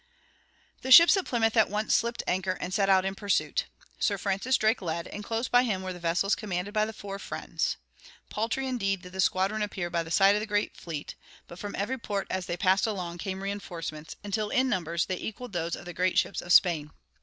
The ships at Plymouth at once slipped anchor and set out in pursuit. Sir Francis Drake led, and close by him were the vessels commanded by the four friends. Paltry, indeed, did the squadron appear by the side of the great fleet, but from every port as they passed along came reinforcements, until in numbers they equaled those of the great ships of Spain.